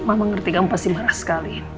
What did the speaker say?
mama tau mama ngerti kamu pasti marah sekali